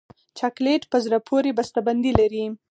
چاکلېټ په زړه پورې بسته بندي لري.